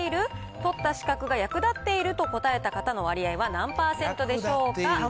取った資格が役立っていると答えた方の割合は何％でしょうか。